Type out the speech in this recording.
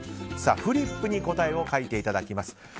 フリップに答えを書いていただきます。